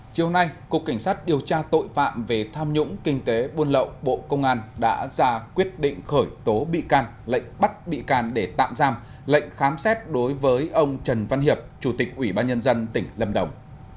chiều nay cục cảnh sát điều tra tội phạm về tham nhũng kinh tế buôn lậu bộ công an đã ra quyết định khởi tố bị can lệnh bắt bị can để tạm giam lệnh khám xét đối với ông trần văn hiệp chủ tịch ủy ban nhân dân tỉnh lâm đồng